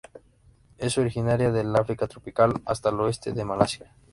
Es originaria del África tropical hasta el oeste de Malasia.